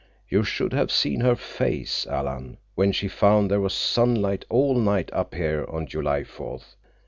You should have seen her face, Alan, when she found there was sunlight all night up here on July Fourth!"